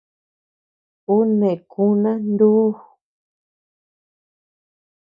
Ú neʼe kuna ndúu.